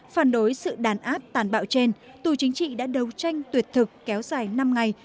phản đối sự đàn áp tàn bạo trên tù chính trị đã đấu tranh tuyệt thực kéo dài năm ngày